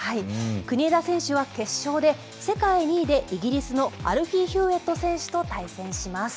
国枝選手は決勝で、世界２位でイギリスのアルフィー・ヒューレット選手と対戦します。